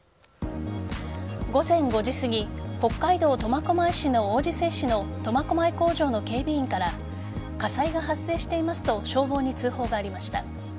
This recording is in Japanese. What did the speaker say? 午前５時すぎ、北海道苫小牧市の王子製紙の苫小牧工場の警備員から火災が発生していますと消防に通報がありました。